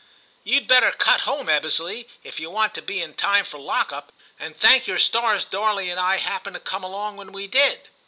You'd better cut home, Ebbesley, if you want to be in time for lock up, and thank your stars Darley and I happened to come along when we did.'